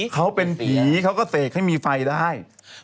เขาเป็นผีเขาก็เสกให้มีไฟได้